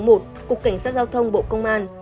cục cảnh sát giao thông bộ công an